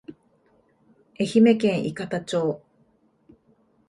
愛媛県伊方町